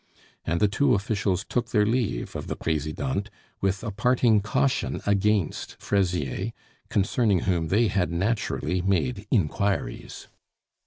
And the two officials took their leave of the Presidente with a parting caution against Fraisier, concerning whom they had naturally made inquiries.